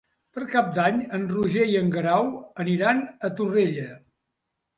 Per Cap d'Any en Roger i en Guerau aniran a Torrella.